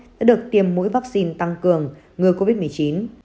đã được tiêm mũi vaccine tăng cường ngừa covid một mươi chín